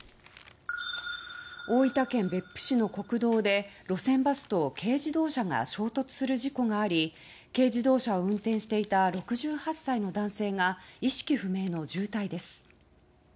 大分県別府市の国道で路線バスと軽自動車が衝突する事故があり軽自動車を運転していた６８歳の男性が意識不明の重体です。